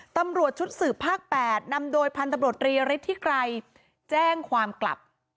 ตำรวจชุดสืบภาค๘นำโดยพันธบรรีฤทธิไกรแจ้งความกลับ